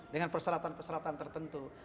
dengan perseratan perseratan tertentu